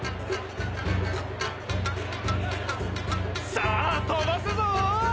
さあ飛ばすぞー！